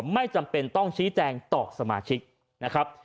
ไม่จำเป็นต้องชี้แจงต่อสมาชิกนะครับ